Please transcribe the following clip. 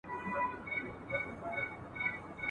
چي بد ګرځي بد به پرځي !.